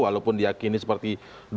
walaupun diyakini seperti dua ribu empat belas